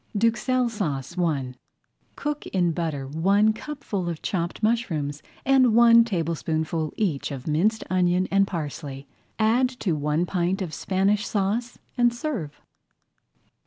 [Page 22] DUXELLES SAUCE I Cook in butter one cupful of chopped mushrooms; and one tablespoonful each of minced onion and parsley. Add to one pint of Spanish Sauce and serve.